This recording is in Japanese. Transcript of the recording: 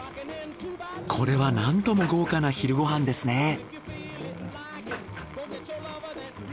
これはなんとも豪華な昼ご飯ですね。